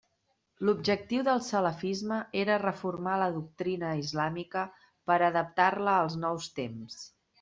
L'objectiu del salafisme era reformar la doctrina islàmica per a adaptar-la als nous temps.